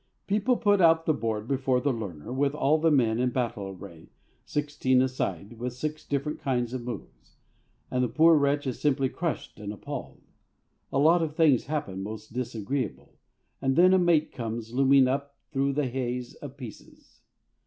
People put out the board before the learner with all the men in battle array, sixteen a side, with six different kinds of moves, and the poor wretch is simply crushed and appalled. A lot of things happen, mostly disagreeable, and then a mate comes looming up through the haze of pieces.